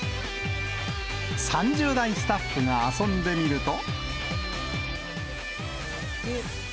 ３０代スタッフが遊んでみると。